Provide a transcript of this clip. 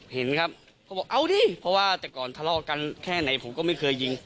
เห็นครับเขาบอกเอาดิเพราะว่าแต่ก่อนทะเลาะกันแค่ไหนผมก็ไม่เคยยิง